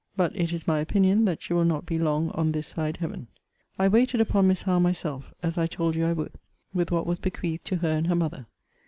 But it is my opinion that she will not be long on this side Heaven. I waited upon Miss Howe myself, as I told you I would, with what was bequeathed to her and her mother.